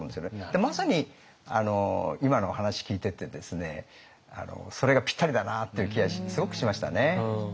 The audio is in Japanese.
でまさに今のお話聞いててですねそれがぴったりだなという気がすごくしましたね。